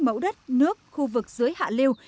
mẫu đất nước khu vực dưới hạ liêu